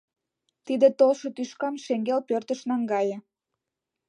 — Тиде толшо тӱшкам шеҥгел пӧртыш наҥгае.